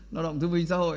nói đọng thư vinh xã hội